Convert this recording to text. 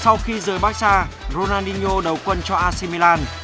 sau khi rời barca ronaldinho đấu quân cho ac milan